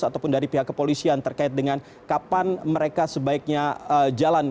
ataupun dari pihak kepolisian terkait dengan kapan mereka sebaiknya jalan